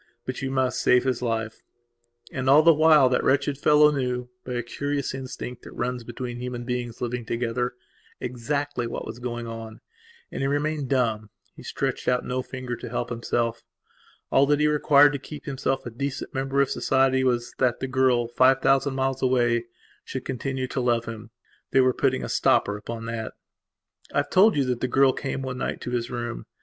But you must save his life." And, all the while, that wretched fellow knewby a curious instinct that runs between human beings living togetherexactly what was going on. And he remained dumb; he stretched out no finger to help himself. All that he required to keep himself a decent member of society was, that the girl, five thousand miles away, should continue to love him. They were putting a stopper upon that. I have told you that the girl came one night to his room.